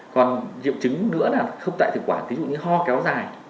còn triệu chứng nữa là không tại thực quản ví dụ như ho kéo dài